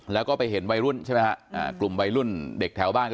แล้วก็ไปเห็นวัยรุ่นใช่ไหมฮะอ่ากลุ่มวัยรุ่นเด็กแถวบ้าน